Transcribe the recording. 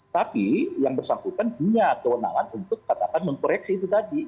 tapi yang bersangkutan punya kewenangan untuk katakan mengkoreksi itu tadi